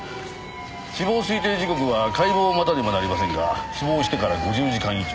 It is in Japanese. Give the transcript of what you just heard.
死亡推定時刻は解剖を待たねばなりませんが死亡してから５０時間以上。